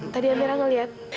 tadi amira ngeliat